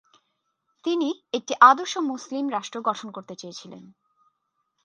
তিনি একটি আদর্শ মুসলিম রাষ্ট্র গঠন করতে চেয়েছিলেন।